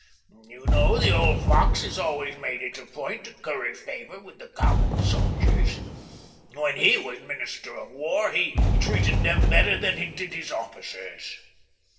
You know the old fox has always made it a point to curry favor with the common soldiers. When he was minister of war he treated them better than he did his officers."